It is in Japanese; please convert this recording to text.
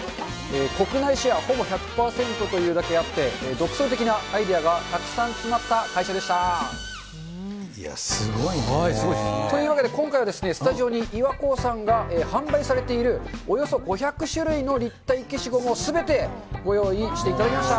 国内シェアほぼ１００％というだけあって、独創的なアイデアがたいや、すごいね。というわけで今回は、スタジオにイワコーさんが販売されている、およそ５００種類の立体消しゴムをすべてご用意していただきまし